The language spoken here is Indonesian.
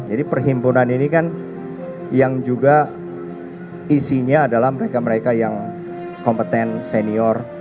jadi perhimpunan ini kan yang juga isinya adalah mereka mereka yang kompeten senior